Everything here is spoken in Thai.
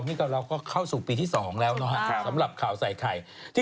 แล้วเราก็เข้าสู่ปีที่๒แล้วสำหรับเผาใส่ไข่